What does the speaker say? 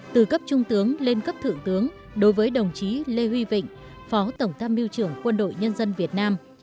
từ cấp trung tướng lên cấp thượng tướng đối với đồng chí lê huy vịnh phó tổng tham mưu trưởng quân đội nhân dân việt nam